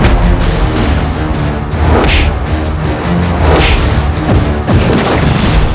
kau akan menang